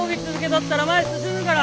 とったら前進むから。